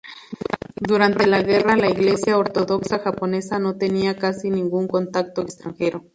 Durante la guerra, la Iglesia Ortodoxa Japonesa no tenía casi ningún contacto extranjero.